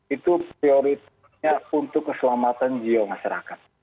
itu prioritasnya untuk keselamatan jiwa masyarakat